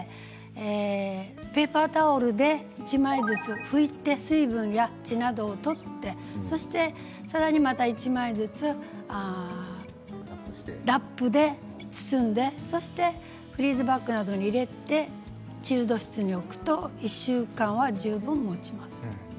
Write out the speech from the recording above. ペーパータオルで１枚ずつ拭いて水分や血などを取ってさらに１枚ずつラップで包んでフリーズバッグなどに入れてチルド室に置くと１週間は十分もちます。